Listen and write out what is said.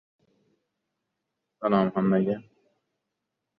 Bakovul ko‘nglidagiday bo‘ldi! Ana endi bakovul ko‘pkarining oxirini aytdi: